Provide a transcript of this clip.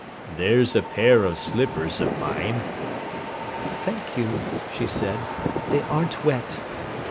"There's a pair of slippers of mine." "Thank you," she said. "They aren't wet."